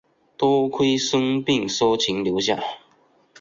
多亏孙膑说情留下。